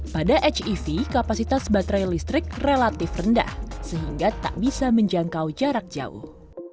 pada hev kapasitas baterai listrik relatif rendah sehingga tak bisa menjangkau jarak jauh